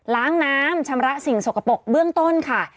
ล้างน้ำชำระสิ่งสกปรกเบื้องต้นค่ะ